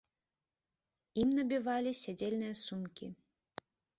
Ім набівалі сядзельныя сумкі.